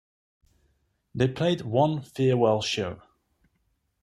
They played one farewell show.